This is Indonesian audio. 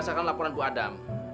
ndrasakan laporan bu adam